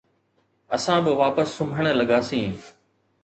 اسان به واپس سمهڻ لڳاسين